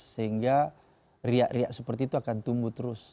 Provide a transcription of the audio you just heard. sehingga riak riak seperti itu akan tumbuh terus